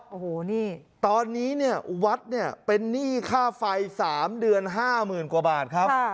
โอ้โหนี่ตอนนี้เนี่ยวัดเนี่ยเป็นหนี้ค่าไฟ๓เดือน๕๐๐๐กว่าบาทครับ